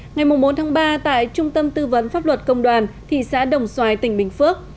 ngày bốn tháng ba tại trung tâm tư vấn pháp luật công đoàn thị xã đồng xoài tỉnh bình phước